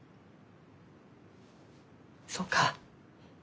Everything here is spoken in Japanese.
そうか。